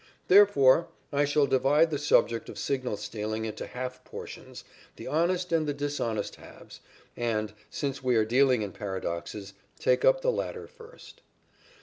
Therefore, I shall divide the subject of signal stealing into half portions, the honest and the dishonest halves, and, since we are dealing in paradoxes, take up the latter first.